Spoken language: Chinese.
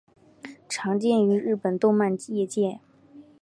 常见于日本动漫业界。